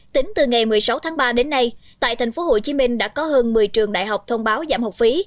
tính từ ngày một mươi sáu tháng ba đến nay tại tp hcm đã có hơn một mươi trường đại học thông báo giảm học phí